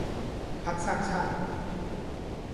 พรรคสร้างชาติ